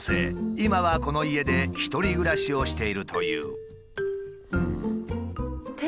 今はこの家で１人暮らしをしているという。